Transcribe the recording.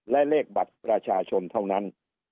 และเลขบัตรประชาชนเท่านั้น